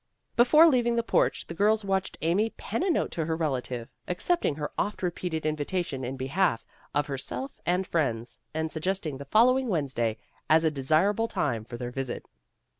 Before leaving the porch the girls watched Amy pen a note to her relative, ac cepting her oft repeated invitation in behalf of herself and friends, and suggesting the fol A TRIUMPH OF ART 43 lowing Wednesday as a desirable time for their visit.